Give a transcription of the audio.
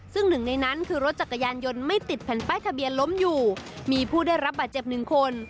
ซึ่งหนึ่งในนั้นคือรถจักรยานยนต์ไม่ติดแผ่นป้ายทะเบียนล้มอยู่มีผู้ได้รับบาดเจ็บหนึ่งคน